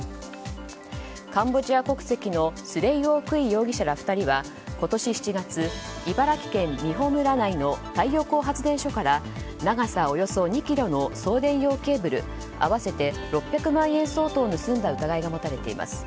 カンボジア国籍のスレイオー・クイ容疑者ら２人は今年７月、茨城県美浦村内の太陽光発電所から長さおよそ２ｋｍの送電用ケーブル合わせて６００万円相当を盗んだ疑いが持たれています。